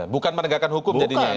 bukan penegakan hukum jadinya ya